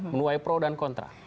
menuai pro dan kontra